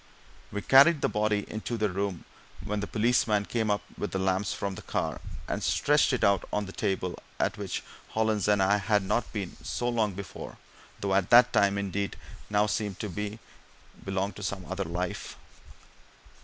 We carried the body into the room when the policeman came up with the lamps from the car, and stretched it out on the table at which Hollins and I had sat not so long before; though that time, indeed, now seemed to me to belong to some other life!